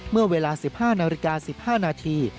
เมื่อเวลา๑๕นาฬิกา๑๕นาที